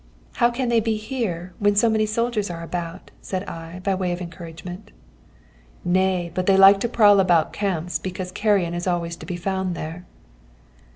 "'How can they be here when so many soldiers are about?' said I, by way of encouragement. "'Nay, but they like to prowl about camps, because carrion is always to be found there.'